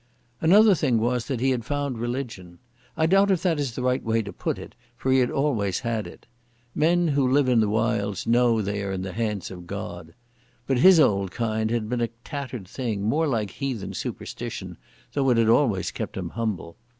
Another thing was that he had found religion. I doubt if that is the right way to put it, for he had always had it. Men who live in the wilds know they are in the hands of God. But his old kind had been a tattered thing, more like heathen superstition, though it had always kept him humble.